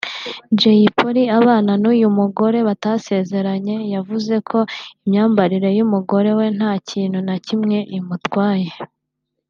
Jay Polly ubana n’uyu mugore batarasezeranye yavuze ko imyambarire y’umugore we nta kintu na kimwe imutwaye